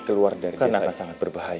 karena akan sangat berbahaya